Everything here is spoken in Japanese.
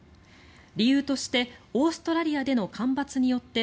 理由としてオーストラリアでの干ばつによって